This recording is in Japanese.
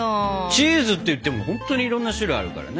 チーズっていってもほんとにいろんな種類あるからね。